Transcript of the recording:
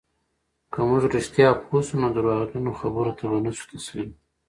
که موږ رښتیا پوه سو، نو درواغجنو خبرو ته به نه سو تسلیم.